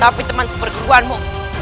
tapi teman seperkeluhanmu